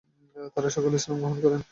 তারা সকলে ইসলাম গ্রহণ করেছে।